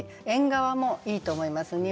「縁側」もいいと思います